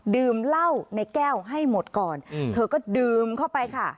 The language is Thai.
ดื่มเหล้าในแก้วให้หมดก่อนเธอก็ดื่มเข้าไปค่ะ